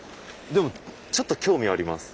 でもちょっと興味はあります。